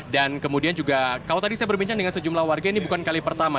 dan kemudian juga kalau tadi saya berbincang dengan sejumlah warga ini bukan kali pertama